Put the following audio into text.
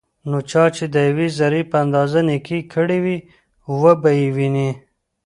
نو چا چې دیوې ذرې په اندازه نيکي کړي وي، وبه يې ويني